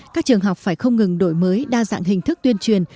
các trường học phải không ngừng đổi mới đa dạng hình thức tuyên truyền